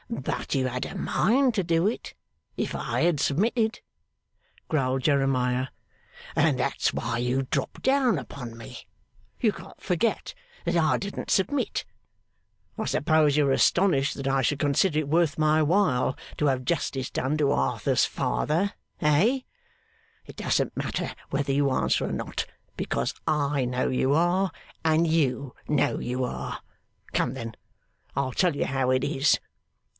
'But you had a mind to do it, if I had submitted,' growled Jeremiah, 'and that's why you drop down upon me. You can't forget that I didn't submit. I suppose you are astonished that I should consider it worth my while to have justice done to Arthur's father? Hey? It doesn't matter whether you answer or not, because I know you are, and you know you are. Come, then, I'll tell you how it is.